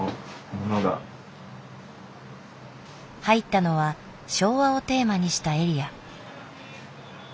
入ったのは「昭和」をテーマにしたエリア。